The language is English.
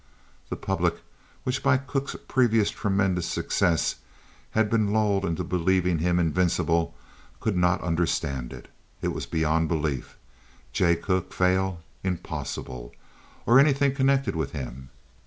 The public, which by Cooke's previous tremendous success had been lulled into believing him invincible, could not understand it. It was beyond belief. Jay Cooke fail? Impossible, or anything connected with him.